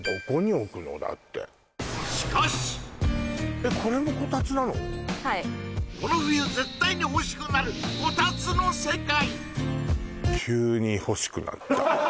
あれはこたつこの冬絶対にほしくなるこたつの世界